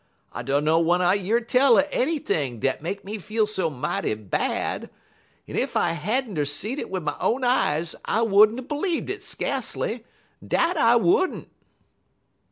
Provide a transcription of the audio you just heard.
I dunner w'en I year tell er anyt'ing dat make me feel so mighty bad; en ef I had n't er seed it wid my own eyes I would n't er bleev'd it skacely dat I would n't!'